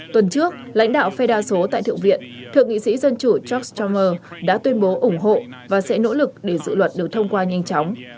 tuần trước lãnh đạo phe đa số tại thượng viện thượng nghị sĩ dân chủ stomer đã tuyên bố ủng hộ và sẽ nỗ lực để dự luật được thông qua nhanh chóng